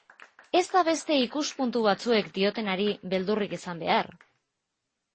Ez da beste ikuspuntu batzuek diotenari beldurrik izan behar.